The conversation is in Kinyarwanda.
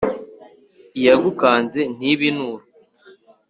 Iyagukanze ntiba inturo.